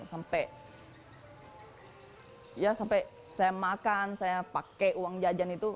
sampai ya sampai saya makan saya pakai uang jajan itu